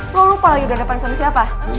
lo lupa lagi dapet sama siapa